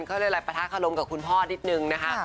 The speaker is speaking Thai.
เค้าเรียกประทะเข้ารมกับคุณพ่อนิดหนึ่งนะคะ